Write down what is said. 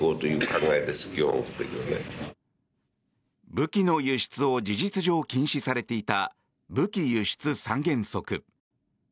武器の輸出を事実上禁止されていた武器輸出三原則。